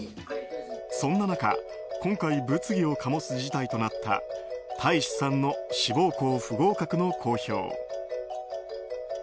そんな中、今回物議を醸す事態となった大維志さんの志望校不合格の公表。